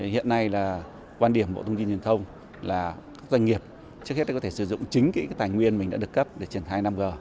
hiện nay là quan điểm bộ thông tin truyền thông là các doanh nghiệp trước hết có thể sử dụng chính tài nguyên mình đã được cấp để triển khai năm g